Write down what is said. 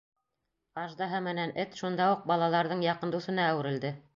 Аждаһа менән Эт шунда уҡ балаларҙың яҡын дуҫына әүерелде.